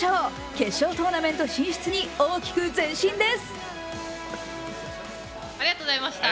決勝トーナメント進出に大きく前進です。